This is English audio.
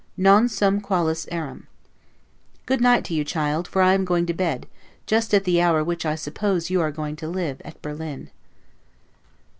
'Non sum qualis eram'. Good night to you, child; for I am going to bed, just at the hour at which I suppose you are going to live, at Berlin.